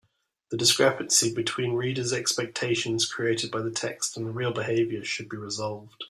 The discrepancy between reader’s expectations created by the text and the real behaviour should be resolved.